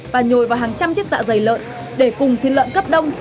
và nhồi vào hàng trăm chiếc dạ dày lợn để cùng thịt lợn cấp đông